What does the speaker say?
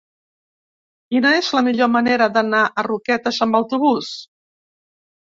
Quina és la millor manera d'anar a Roquetes amb autobús?